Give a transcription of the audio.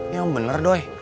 iya bener doi